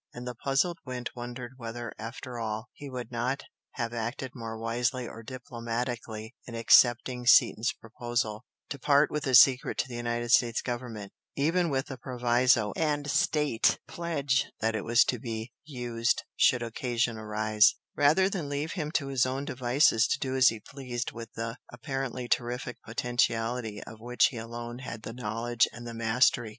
And the puzzled Gwent wondered whether after all he would not have acted more wisely or diplomatically in accepting Seaton's proposal to part with his secret to the United States Government, even with the proviso and State pledge that it was to be "used" should occasion arise, rather than leave him to his own devices to do as he pleased with the apparently terrific potentiality of which he alone had the knowledge and the mastery.